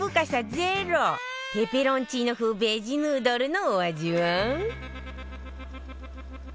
ゼロペペロンチーノ風ベジヌードルのお味は？